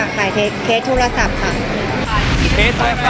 ก้าดเทจทุ่นโทรศัพท์ครับ